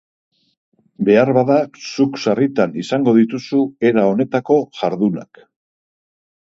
Beharbada zuk sarritan izango dituzu era honetako jardunak.